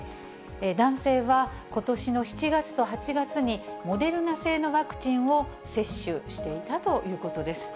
男性はことしの７月と８月に、モデルナ製のワクチンを接種していたということです。